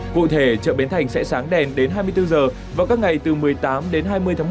cụ thể chợ bến thành sẽ sáng đèn đến hai mươi bốn h vào các ngày từ một mươi tám đến hai mươi một hai nghìn hai mươi ba